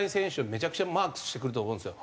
めちゃくちゃマークしてくると思うんですよ。